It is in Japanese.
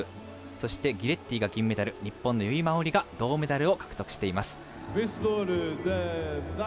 そして、ギレッティが銀メダル日本の由井真緒里が銅メダルを獲得しています。